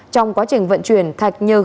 trong quá trình vận chuyển thạch nhờ hướng